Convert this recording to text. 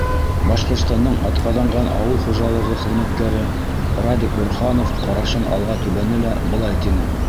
Башҡортостандың атҡаҙанған ауыл хужалығы хеҙмәткәре Радик Борханов ҡарашын алға төбәне лә былай тине: